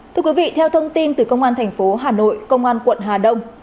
thưa quý vị theo thông tin từ công an thành phố hà nội công an quận hà đông